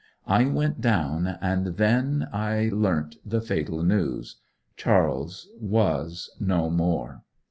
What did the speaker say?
I went down; and I then learnt the fatal news. Charles was no more.